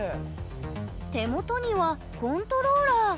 手元にはコントローラー。